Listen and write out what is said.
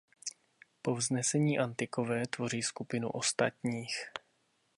Povznesení Antikové tvoří skupinu "Ostatních".